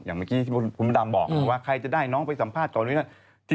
อย่างเมื่อกี้ที่พุ่มดำบอกว่าใครจะได้น้องไปสัมภาษณ์ตอนนี้